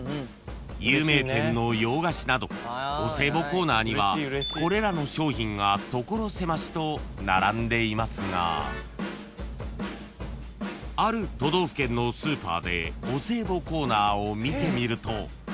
［お歳暮コーナーにはこれらの商品が所狭しと並んでいますがある都道府県のスーパーでお歳暮コーナーを見てみると］